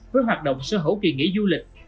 với hoạt động sở hữu kỳ nghỉ du lịch